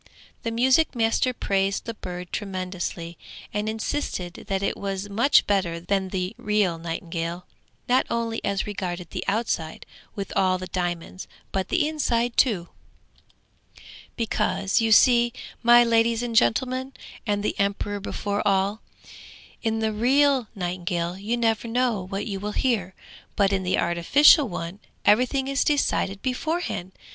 The music master praised the bird tremendously, and insisted that it was much better than the real nightingale, not only as regarded the outside with all the diamonds, but the inside too. 'Because you see, my ladies and gentlemen, and the emperor before all, in the real nightingale you never know what you will hear, but in the artificial one everything is decided beforehand!